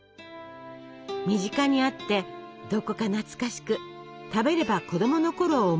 身近にあってどこか懐かしく食べれば子供のころを思い出す味わい。